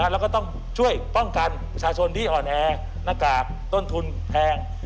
แล้วก็ต้องช่วยป้องกันประชาชนที่อ่อนแอหน้ากากต้นทุนแพง